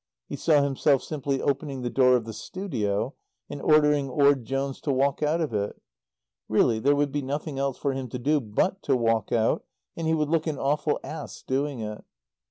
He saw himself simply opening the door of the studio and ordering Orde Jones to walk out of it. Really, there would be nothing else for him to do but to walk out, and he would look an awful ass doing it.